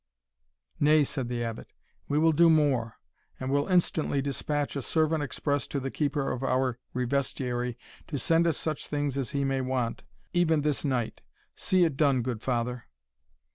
"Nay," said the Abbot, "we will do more, and will instantly despatch a servant express to the keeper of our revestiary to send us such things as he may want, even this night. See it done, good father."